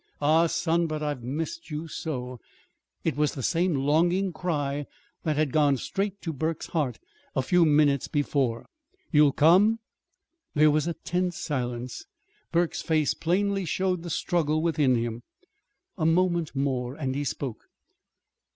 Ah, son, but I've missed you so!" It was the same longing cry that had gone straight to Burke's heart a few minutes before. "You'll come?" There was a tense silence. Burke's face plainly showed the struggle within him. A moment more, and he spoke.